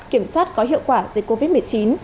kiểm soát có hiệu quả dịch covid một mươi chín